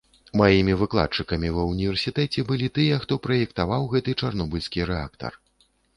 Маімі выкладчыкамі ва ўніверсітэце былі тыя, хто праектаваў гэты чарнобыльскі рэактар.